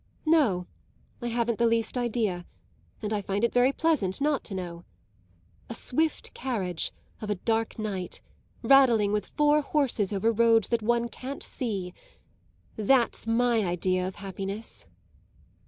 "No, I haven't the least idea, and I find it very pleasant not to know. A swift carriage, of a dark night, rattling with four horses over roads that one can't see that's my idea of happiness."